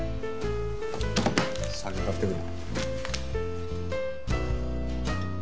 酒買ってくる。